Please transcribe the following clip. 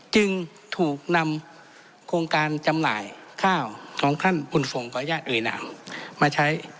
จึงถูกนำโครงการจำลายข้าวของท่านปรุนฝงขอเอียดเอ๋นามมาใช้